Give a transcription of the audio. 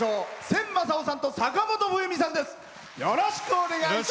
千昌夫さんと坂本冬美さんです。